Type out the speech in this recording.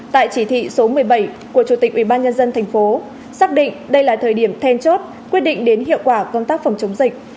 tại chỉ thị số một mươi bảy của chủ tịch ubnd tp xác định đây là thời điểm then chốt quyết định đến hiệu quả công tác phòng chống dịch